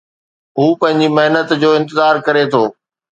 هو پنهنجي محنت جو انتظار ڪري ٿو